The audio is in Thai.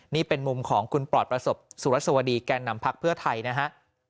นี่เป็นมุมของคุณปลอดประสบสุรสวดีแก่นำพักเพื่อไทยนะฮะ